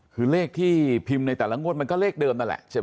คือเลขที่พิมพ์ในแต่ละงวดมันก็เลขเดิมนั่นแหละใช่ไหม